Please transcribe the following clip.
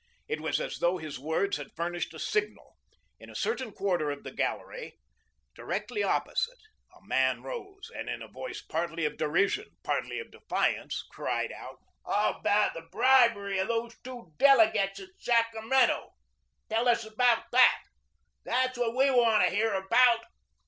It was as though his words had furnished a signal. In a certain quarter of the gallery, directly opposite, a man arose, and in a voice partly of derision, partly of defiance, cried out: "How about the bribery of those two delegates at Sacramento? Tell us about that. That's what we want to hear about."